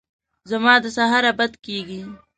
زما د سهاره بد کېږي !